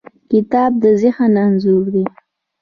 کتاب د ذهن انځور دی.